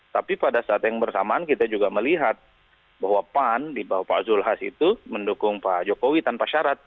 tapi pada saat yang bersamaan kita juga melihat bahwa pan di bawah pak zulhas itu mendukung pak jokowi tanpa syarat